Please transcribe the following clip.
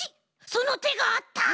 そのてがあった！